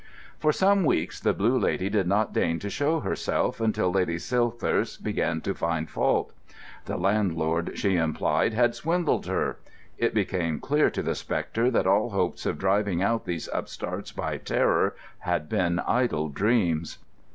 For some weeks the Blue Lady did not deign to show herself, until Lady Silthirsk began to find fault. The landlord, she implied, had swindled her. It became clear to the spectre that all hopes of driving out these upstarts by terror had been idle dreams.